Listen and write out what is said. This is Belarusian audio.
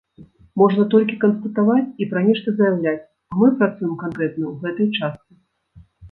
Можна толькі канстатаваць і пра нешта заяўляць, а мы працуем канкрэтна ў гэтай частцы!